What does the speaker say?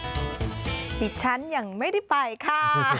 ดิฉันยังไม่ได้ไปค่ะ